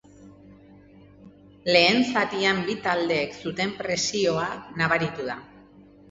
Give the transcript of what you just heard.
Lehen zatian bi taldeek zuten presioa nabaritu da.